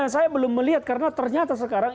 saya belum melihat karena ternyata sekarang